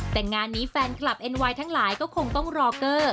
แต่งานนี้แฟนคลับเอ็นไวน์ทั้งหลายก็คงต้องรอเกอร์